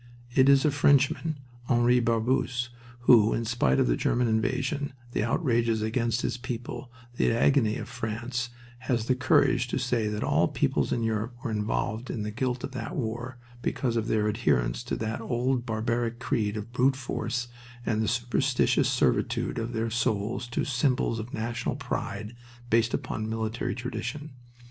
It is a Frenchman Henri Barbusse who, in spite of the German invasion, the outrages against his people, the agony of France, has the courage to say that all peoples in Europe were involved in the guilt of that war because of their adherence to that old barbaric creed of brute force and the superstitious servitude of their souls to symbols of national pride based upon military tradition.